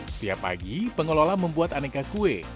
setiap pagi pengelola membuat aneka kue